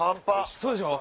そうでしょ？